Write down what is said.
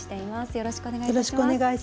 よろしくお願いします。